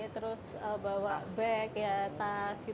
terus bawa bag tas gitu